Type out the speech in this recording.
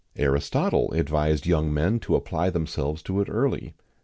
Aristotle advised young men to apply themselves to it early.